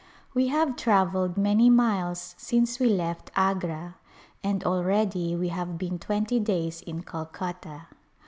We have travelled many miles since we left Agra, and already we have been twenty days in Calcutta.